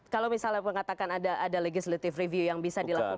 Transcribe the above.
kalau misalnya mengatakan ada legislative review yang bisa dilakukan